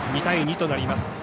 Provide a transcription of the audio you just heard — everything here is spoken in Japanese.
２対２となります。